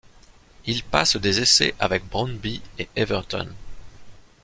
Il passe des essais avec Brøndby et Everton.